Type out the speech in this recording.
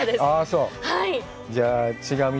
そう？